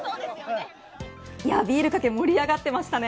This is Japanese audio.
ビールかけ盛り上がってましたね。